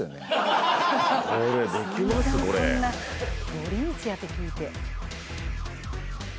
通り道やって聞いて。